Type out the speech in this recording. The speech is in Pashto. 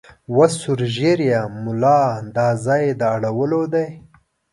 وه سور ږیریه مولا دا ځای د اړولو دی